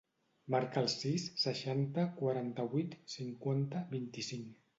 Marca el sis, seixanta, quaranta-vuit, cinquanta, vint-i-cinc.